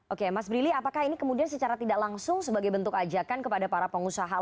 oke mas brili apakah ini kemudian secara tidak langsung sebagai bentuk ajakan kepada para pengusaha